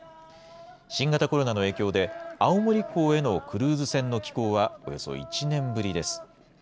新型コロナの影響で、青森港へのクルーズ船の寄港はおよそ１年ぶりです。